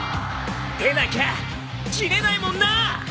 でなきゃ切れないもんな！